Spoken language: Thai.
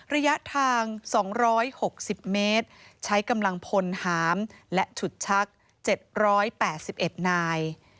ระยะทางสองร้อยหกสิบเมตรใช้กำลังพลหามและฉุดชักเจ็ดร้อยแปดสิบเอ็ดนาย